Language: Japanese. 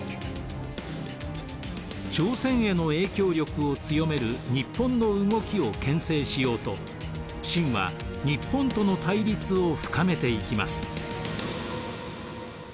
朝鮮への影響力を強める日本の動きをけん制しようと清は日本との対立を深めていきます。